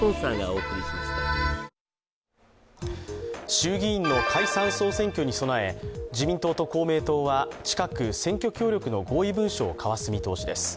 衆議院の解散総選挙に備え自民党と公明党は近く選挙協力の合意文書を交わす見通しです。